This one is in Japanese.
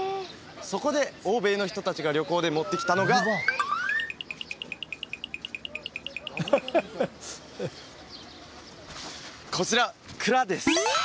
そこで欧米の人達が旅行で持ってきたのがこちら鞍です